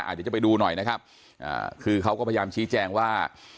เดี๋ยวจะไปดูหน่อยนะครับคือเขาก็พยายามชี้แจงว่า